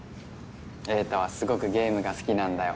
瑛太はすごくゲームが好きなんだよ。